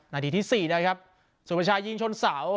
นาทีที่๔นะครับสุประชายยิงชนเสา